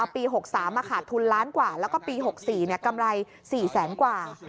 ปี๖๓ขาดทุนล้านกว่าแล้วก็ปี๖๔กำไร๔แสนกว่า